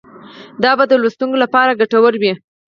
دا به د لوستونکو لپاره ګټور وي.